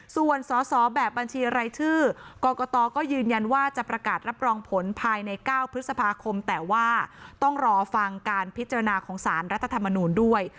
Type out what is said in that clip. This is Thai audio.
ส่วนสอสอแบบบัญชีรายชื่อกรกตก็ยืนยันว่าจะประกาศรับรองผลภายใน๙พฤษภาคมแต่ว่าต้องรอฟังการพิจารณาของสารรัฐธรรมนูลด้วย